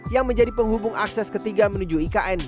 yang menjadi penghubung akses ketiga menuju ikn